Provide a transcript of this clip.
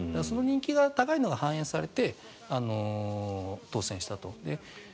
その人気が高いのが反映されて当選したと。